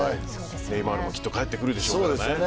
ネイマールもきっと帰ってくるでしょうからね。